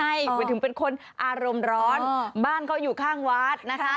เหมือนถึงเป็นคนอารมณ์ร้อนบ้านเขาอยู่ข้างวัดนะคะ